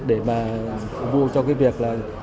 để phục vụ cho việc